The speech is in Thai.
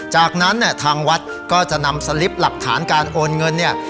จากนั้นเนี่ยทางวัดก็จะนำสลิปหลักฐานการโอนเงินเนี่ย